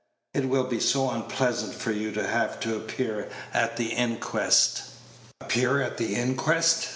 It will be so unpleasant for you to have to appear at the inquest." "Appear at the inquest!"